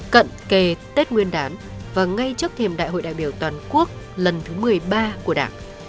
cận kề tết nguyên đán và ngay trước thềm đại hội đại biểu toàn quốc lần thứ một mươi ba của đảng